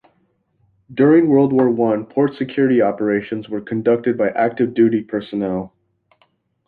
During World War One, port security operations were conducted by active duty personnel.